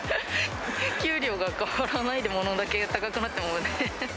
給料が変わらないで、物だけ高くなってもね。